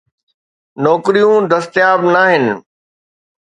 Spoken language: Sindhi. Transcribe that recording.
نوڪريون دستياب ناهن.